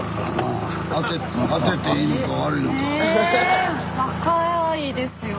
え若いですよね？